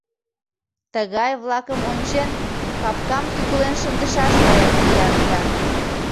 Тыгай-влакым ончен, капкам тӱкылен шындышаш гаяк лият да...